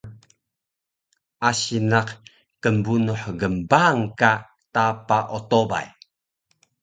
Asi naq knbunuh gnbaang ka taapa otobay